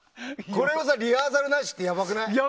これをリハーサルなしってやばくない？